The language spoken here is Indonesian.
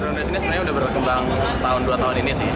drone race ini sebenarnya sudah berkembang setahun dua tahun ini sih